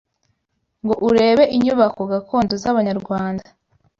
ngo urebe inyubako gakondo z’Abanyarwanda